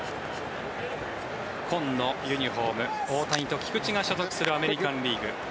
紺のユニホーム大谷と菊池が所属するアメリカン・リーグ